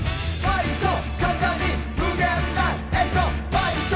ファイト！